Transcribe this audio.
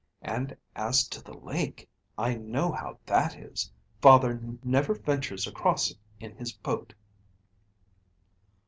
And as to the lake, I know how that is: father never ventures across it in his boat."